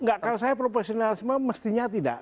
enggak kalau saya profesionalisme mestinya tidak